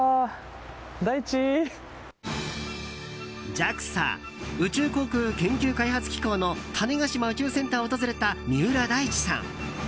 ＪＡＸＡ・宇宙航空研究開発機構の種子島宇宙センターを訪れた三浦大知さん。